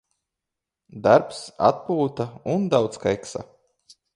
Darbs, atpūta un daudz keksa.